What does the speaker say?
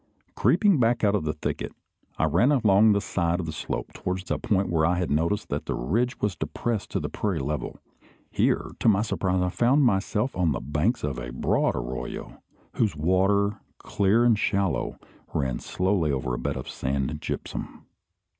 Creeping back out of the thicket, I ran along the side of the slope towards a point where I had noticed that the ridge was depressed to the prairie level. Here, to my surprise, I found myself on the banks of a broad arroyo, whose water, clear and shallow, ran slowly over a bed of sand and gypsum.